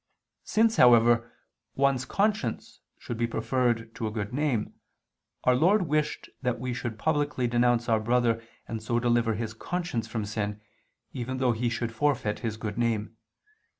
Since, however, one's conscience should be preferred to a good name, Our Lord wished that we should publicly denounce our brother and so deliver his conscience from sin, even though he should forfeit his good name.